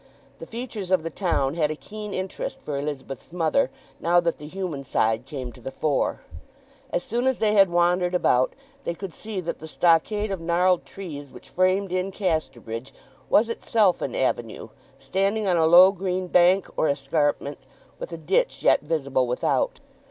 The features of the town had a keen interest for Elizabeth's mother, now that the human side came to the fore. As soon as they had wandered about they could see that the stockade of gnarled trees which framed in Casterbridge was itself an avenue, standing on a low green bank or escarpment, with a ditch yet visible without.